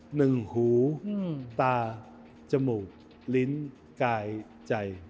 หนึ่งหูตาจมูกลิ้นกายใจ